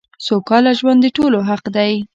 سوکاله ژوند دټولو حق دی .